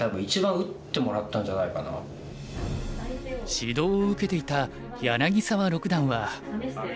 指導を受けていた柳澤六段は。